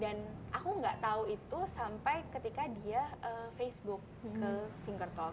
dan aku tidak tahu itu sampai ketika dia facebook ke fingertalk